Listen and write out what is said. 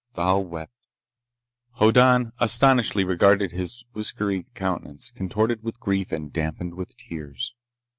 Thal wept. Hoddan astonishedly regarded his whiskery countenance, contorted with grief and dampened with tears.